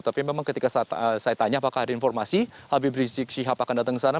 tapi memang ketika saya tanya apakah ada informasi habib rizik syihab akan datang ke sana